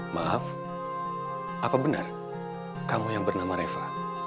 maaf apa benar kamu yang bernama reva